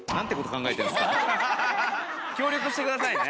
協力してくださいね。